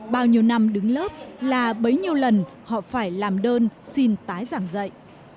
bao nhiêu năm đứng lớp là bấy nhiêu lần họ phải làm đơn xin tái giảng dạy